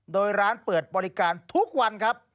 โดยร้านเปิดบริการทุกวันครับ